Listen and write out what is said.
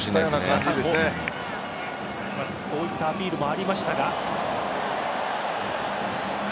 そういったアピールもありましたが。